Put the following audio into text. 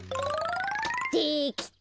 できた！